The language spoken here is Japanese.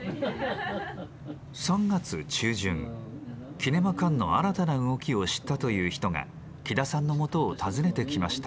キネマ館の新たな動きを知ったという人が喜田さんのもとを訪ねてきました。